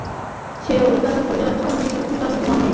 সে অধিকার ইহার স্বাভাবিক অধিকার নহে।